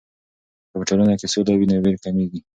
که په ټولنه کې سوله وي، نو ویر کمېږي.